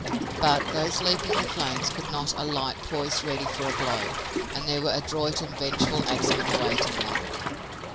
But those leaping the flames could not alight poised ready for a blow, and there were adroit and vengeful axmen awaiting them.